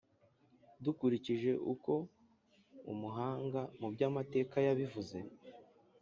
dukurikije uko umuhanga mu by’amateka yabivuze,